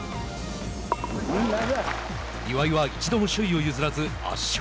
岩井は一度も首位を譲らず圧勝。